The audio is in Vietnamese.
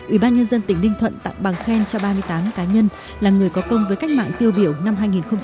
ủy ban nhân dân tỉnh ninh thuận tặng bằng khen cho ba mươi tám cá nhân là người có công với cách mạng tiêu biểu năm hai nghìn một mươi tám